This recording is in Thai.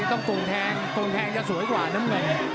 ต้องโกงแทงโกงแทงจะสวยกว่าน้ำเงิน